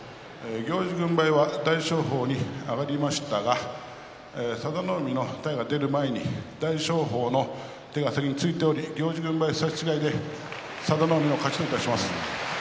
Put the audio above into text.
行司軍配は大翔鵬に上がりましたが佐田の海の体が出る前に大翔鵬の手が先についており行司軍配差し違えで佐田の海の勝ちといたします。